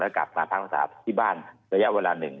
แล้วกลับมาพักสารที่บ้านระยะเวลาหนึ่ง